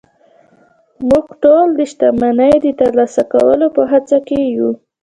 موږ ټول د شتمنۍ د ترلاسه کولو په هڅه کې يو